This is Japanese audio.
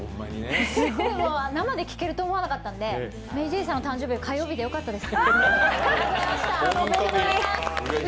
すごい、生で聴けると思わなかったんでＭａｙＪ．さんの誕生日が火曜日でよかったです